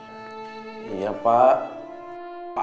kau lakukan iya pak alamut salah